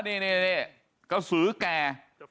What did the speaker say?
นี่นี่นี่กระสือแก่